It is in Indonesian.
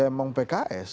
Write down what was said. ya memang pks